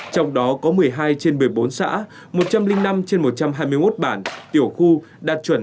trong đó có một mươi hai trên một mươi bốn xã một trăm linh năm trên một trăm hai mươi một bản tiểu khu đạt chuẩn